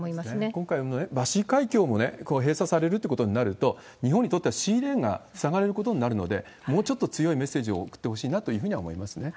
今回、海峡も閉鎖されるということになると、日本にとってはシーレーンが塞がれることになるので、もうちょっと強いメッセージを送ってほしいなというふうには思いますね。